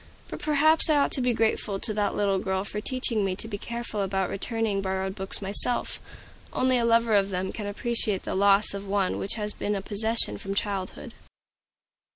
But perhaps I ought to be grateful to that little girl for teaching me to be careful about returning borrowed books myself. Only a lover of them can appreciate the loss of one which has been a possession from childhood.